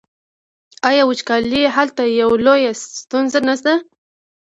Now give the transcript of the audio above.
آیا وچکالي هلته یوه لویه ستونزه نه ده؟